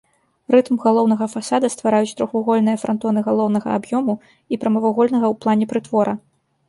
Рытм галоўнага фасада ствараюць трохвугольныя франтоны галоўнага аб'ёму і прамавугольнага ў плане прытвора.